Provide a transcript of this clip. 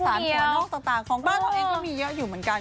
ใช่ค่ะมีวิทยาศาสตร์ตัวนอกต่างของบ้านตัวเองก็มีเยอะอยู่เหมือนกัน